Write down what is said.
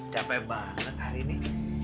capek banget hari ini